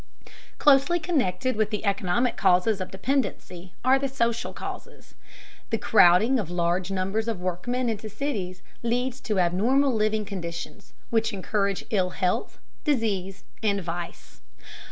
Closely connected with the economic causes of dependency are the social causes. The crowding of large numbers of workmen into cities leads to abnormal living conditions, which encourage ill health, disease, and vice.